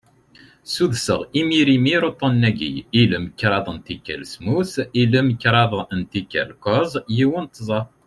Suddseɣ imir imir uṭṭun-agi: ilem, kraḍ n tikal semmus, ilem, kraḍ n tikal kuẓ, yiwen, tẓa.